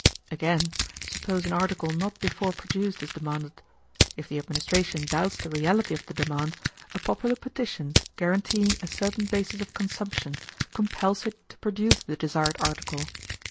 Again, suppose an article not before produced is demanded. If the administration doubts the reality of the demand, a popular petition guaranteeing a certain basis of consumption compels it to produce the desired article.